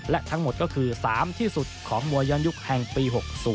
และทั้งหมดก็คือ๓ที่สุดของมวยย้อนยุคแห่งปี๖๐